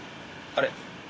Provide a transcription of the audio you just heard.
あれ？